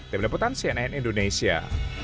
tim leputan cnn indonesia